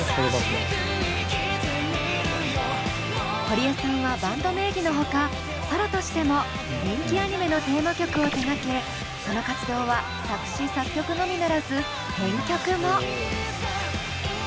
堀江さんはバンド名義のほかソロとしても人気アニメのテーマ曲を手がけその活動は作詞作曲のみならず編曲も。